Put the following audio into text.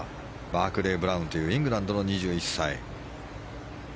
バークレー・ブラウンというイングランドの２１歳。